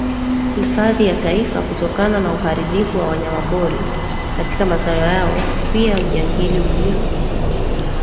Hifadhi ya Taifa kutokana na uharibifu wa wanyamapori katika mazao yao pia ujangili ulio